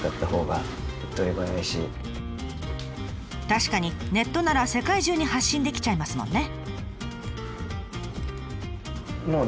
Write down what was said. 確かにネットなら世界中に発信できちゃいますもんね。